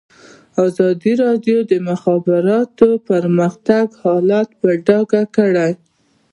ازادي راډیو د د مخابراتو پرمختګ حالت په ډاګه کړی.